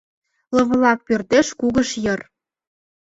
Лывылак пӧрдеш кугыж йыр.